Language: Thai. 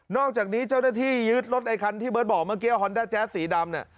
อกจากนี้เจ้าหน้าที่ยึดรถไอ้คันที่เบิร์ตบอกเมื่อกี้ฮอนด้าแจ๊สสีดำเนี่ย